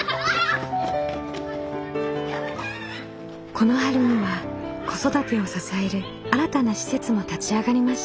この春には子育てを支える新たな施設も立ち上がりました。